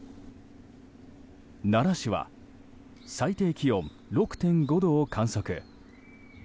奈良市は最低気温６．５度を観測。